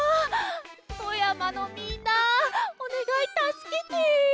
富山のみんなおねがいたすけて。